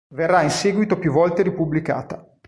Verrà in seguito più volte ripubblicata.